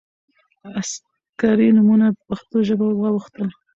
عسکري نومونه په پښتو ژبه واوښتل.